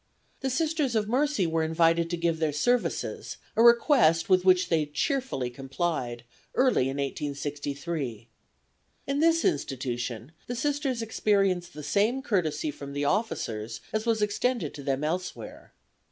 The Sisters of Mercy were invited to give their services, a request with which they cheerfully complied, early in 1863. In this institution the Sisters experienced the same courtesy from the officers as was extended to them elsewhere.